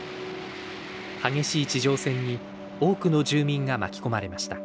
激しい地上戦に多くの住民が巻き込まれました。